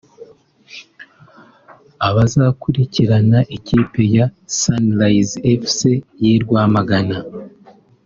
Abazakurikirana ikipe ya Sunrise Fc y’i Rwamagana